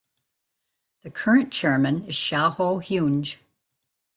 The current Chairman is Shao Hauje.